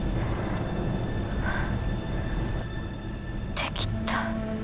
できた。